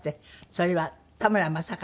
それは田村正和さん。